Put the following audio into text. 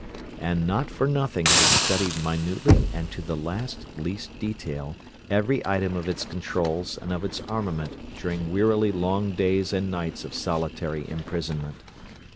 And not for nothing had he studied minutely and to the last, least detail every item of its controls and of its armament during wearily long days and nights of solitary imprisonment.